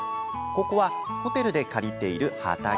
ここはホテルで借りている畑。